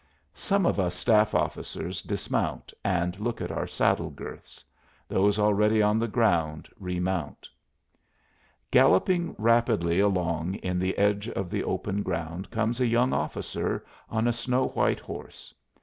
Some of us staff officers dismount and look at our saddle girths; those already on the ground remount. Galloping rapidly along in the edge of the open ground comes a young officer on a snow white horse.